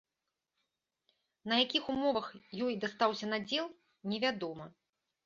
На якіх умовах ёй дастаўся надзел, невядома.